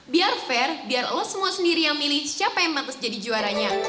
biar fair biar allah semua sendiri yang milih siapa yang mates jadi juaranya